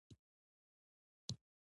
آب وهوا د افغانستان د بڼوالۍ یوه برخه ده.